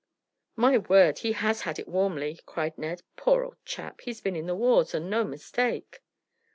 "My word, he has had it warmly," cried Ned. "Poor old chap, he's been in the wars, and no mistake!"